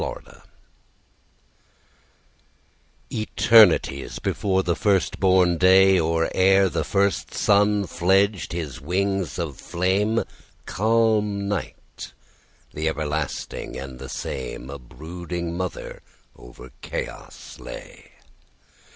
Mother Night ETERNITIES before the first born day, Or ere the first sun fledged his wings of flame, Calm Night, the everlasting and the same,A brooding mother over chaos lay.